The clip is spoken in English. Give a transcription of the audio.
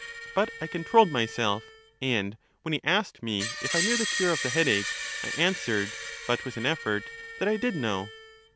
But I controlled myself, and when he asked me if I knew the cure of the headache, I answered, but with an effort, that I did know.